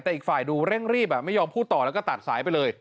แต่อีกฝ่ายดูเร่งรีบไม่ยอมพูดต่อแล้วก็ตัดสายไปเลย